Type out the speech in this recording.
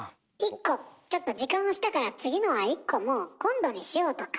ちょっと時間押したから次のは１個もう今度にしようとか。